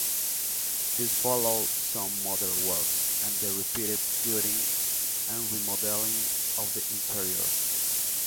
This followed some modern works, and the repeated gutting and remodeling of the interior.